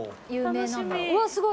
うわすごい。